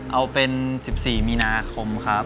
เอาเป็น๑๔มีนาคมครับ